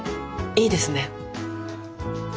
いいですね。